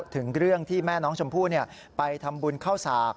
ถึงเรื่องที่แม่น้องชมพู่ไปทำบุญเข้าสาก